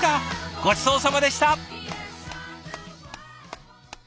ごちそうさまでした！